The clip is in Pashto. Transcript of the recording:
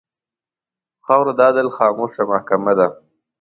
خاوره د عدل خاموشه محکمـه ده.